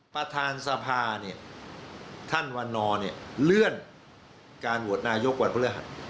ประธานสภาท่านวันนอลเลื่อนการหวดนายกวันพฤหัส